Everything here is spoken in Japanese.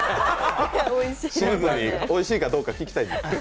シンプルにおいしいかどうか聞きたいです。